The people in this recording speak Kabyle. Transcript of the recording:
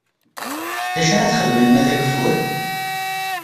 D acu ara txedmem ma d ageffur?